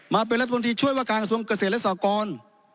มาเป็นรัฐบาลถีช่วยวกายอังคศวงศ์เกษตรและศาลกรณ์